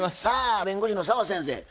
さあ弁護士の澤先生